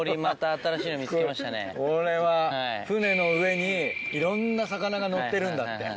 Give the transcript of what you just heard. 舟の上にいろんな魚がのってるんだって。